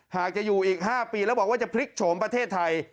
หากจะอยู่อีก๕ปีแล้วบอกว่าจะพลิกโฉมประเทศไทย